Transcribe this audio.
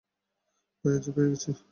ভাইয়াজি, পেয়ে গেছি।